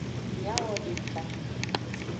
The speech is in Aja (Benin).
Miawodeka.